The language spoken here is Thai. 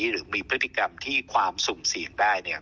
หรือมีพฤติกรรมที่ความสุ่มเสี่ยงได้